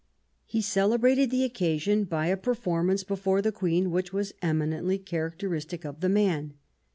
He celebrated the occasion by a performance before the Queen, which was eminently characteristic of the man.